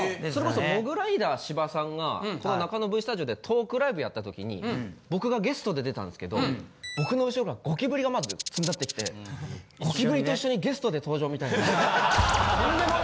そもそもモグライダー芝さんがこの中野Ｖスタジオでトークライブやったときに僕がゲストで出たんですけど僕の後ろからゴキブリがつんだってきてゴキブリと一緒にゲストで登場みたいな。